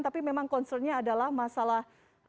tapi memang concernnya adalah masalah